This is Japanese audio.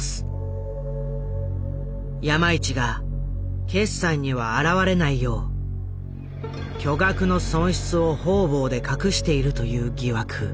山一が決算には表れないよう巨額の損失を方々で隠しているという疑惑。